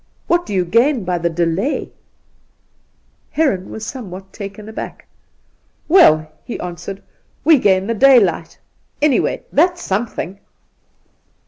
What do you gain by the delay ?' Heron was somewhat taken aback. ' Well,' he answered, ' we gain the daylight, any way ; that's something.'